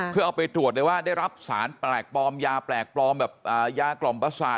เพื่อเอาไปตรวจเลยว่าได้รับสารแปลกปลอมยาแปลกปลอมแบบยากล่อมประสาท